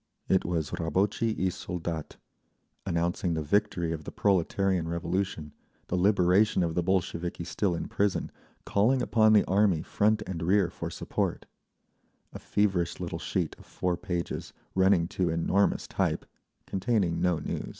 It was Rabotchi i Soldat, announcing the victory of the Proletarian Revolution, the liberation of the Bolsheviki still in prison, calling upon the Army front and rear for support… a feverish little sheet of four pages, running to enormous type, containing no news….